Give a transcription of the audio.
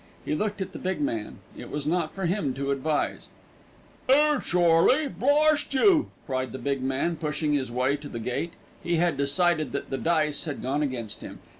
He looked at the big man. It was not for him to advise. "'Ere, Charley, blaaarst you," cried the big man, pushing his way to the gate. He had decided that the dice had gone against him.